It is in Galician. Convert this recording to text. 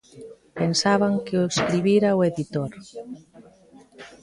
Pensaban que o escribira o editor.